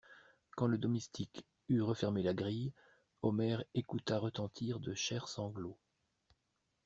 Quand le domestique eut refermé la grille, Omer écouta retentir de chers sanglots.